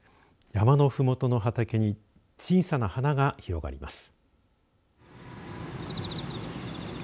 山のふもとの畑に小さな花が広がります。